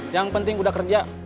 yang penting udah kerja